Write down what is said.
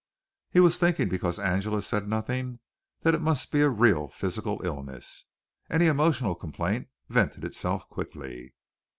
He was thinking because Angela said nothing that it must be a real physical illness. Any emotional complaint vented itself quickly.